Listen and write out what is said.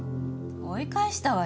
追い返したわよ。